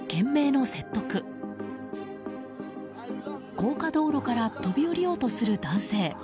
高架道路から飛び降りようとする男性。